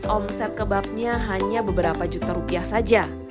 omset kebabnya hanya beberapa juta rupiah saja